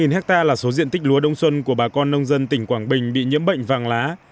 hơn ba hecta là số diện tích lúa đông xuân của bà con nông dân tỉnh quảng bình bị nhiễm bệnh vàng lá